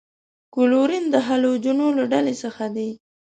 کلورین د هلوجنو له ډلې څخه دی.